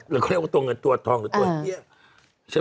หรือเขาเรียกว่าตัวเงินตัวทองหรือตัวเหี้ย